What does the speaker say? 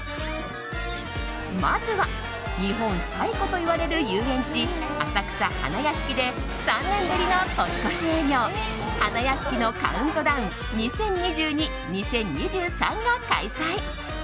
まずは日本最古といわれる遊園地浅草花やしきで３年ぶりの年越し営業花やしきのカウントダウン２０２２−２０２３が開催。